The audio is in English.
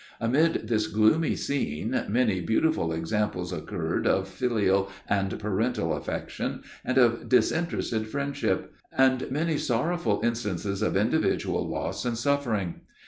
Amid this gloomy scene, many beautiful examples occurred of filial and parental affection, and of disinterested friendship; and many sorrowful instances of individual loss and suffering.